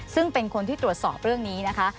ซึ่งเป็นคนที่ตรวจสอบเรื่องนี้นะคะ